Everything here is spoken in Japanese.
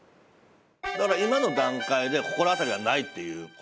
だから今の段階で心当たりはないっていう事？